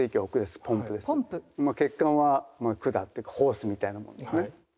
まあ血管は管というかホースみたいなものですね。